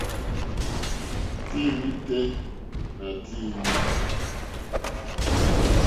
Téèlì tɛ́ nà téèlì.